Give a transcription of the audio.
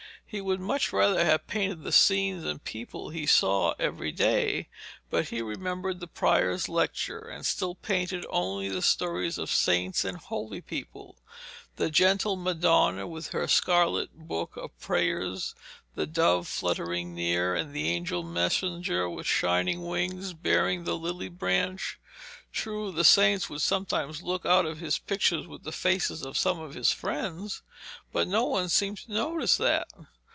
He would much rather have painted the scenes and the people he saw every day, but he remembered the prior's lecture, and still painted only the stories of saints and holy people the gentle Madonna with her scarlet book of prayers, the dove fluttering near, and the angel messenger with shining wings bearing the lily branch. True, the saints would sometimes look out of his pictures with the faces of some of his friends, but no one seemed to notice that.